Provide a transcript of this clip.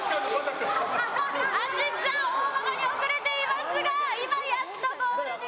淳さん大幅に遅れていますが今やっとゴールです。